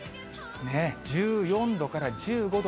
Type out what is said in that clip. １４度から１５度。